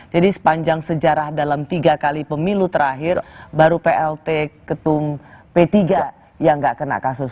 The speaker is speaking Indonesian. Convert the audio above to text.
jadi sepanjang sejarah dalam tiga kali pemilu terakhir baru plt ketum p tiga yang gak kena kasus